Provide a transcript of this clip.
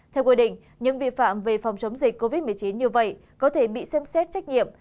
theo quy định những vi phạm về phòng chống dịch covid một mươi chín như vậy có thể bị xem xét trách nhiệm